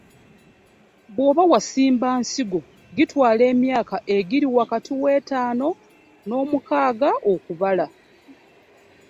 Bw’oba wasimba nsigo gitwala emyaka egiri wakati w’etaano n’omukaaga okubala.